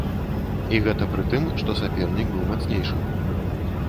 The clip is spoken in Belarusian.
І гэта пры тым, што сапернік быў мацнейшым.